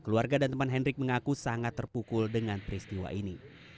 keluarga dan teman hendrik mengaku sangat terpukul dengan peristiwa ini